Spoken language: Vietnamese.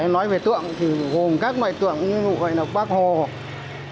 nói về tượng thì gồm các loại tượng như bác hồ tượng cụ võ nguyên giáp tượng cụ trần hưng đạo